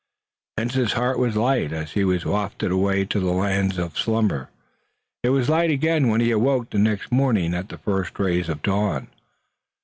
Hence his heart was light as he was wafted away to the land of slumber, and it was light again when he awoke the next morning at the first rays of dawn.